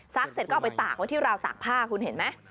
เสร็จก็เอาไปตากไว้ที่ราวตากผ้าคุณเห็นไหม